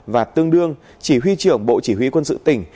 và tương đương chỉ huy trưởng bộ chỉ huy quân sự tỉnh